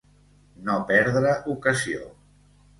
No perdre ocasió.